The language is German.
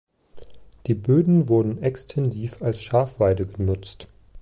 Die Böden wurden extensiv als Schafweide genutzt.